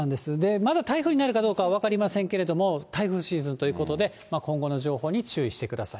まだ台風になるかどうか分かりませんけれども、台風シーズンということで、今後の情報に注意してください。